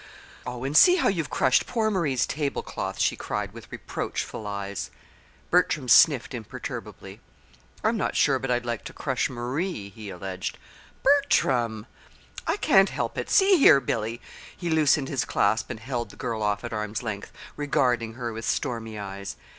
"Oh! And see how you've crushed poor Marie's table cloth!" she cried, with reproachful eyes. Bertram sniffed imperturbably. "I'm not sure but I'd like to crush Marie," he alleged. "Bertram!" "I can't help it. See here, Billy." He loosened his clasp and held the girl off at arm's length, regarding her with stormy eyes.